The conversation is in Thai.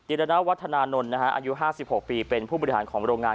อีรณวัฒนานนท์นะฮะอายุห้าสิบหกปีเป็นผู้บริหารของโรงงาน